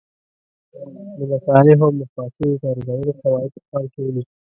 د مصالحو او مفاسدو د ارزولو قواعد په پام کې ونیسو.